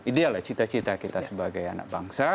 idealnya cita cita kita sebagai anak bangsa